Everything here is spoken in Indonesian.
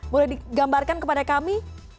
boleh digambarkan kepada kami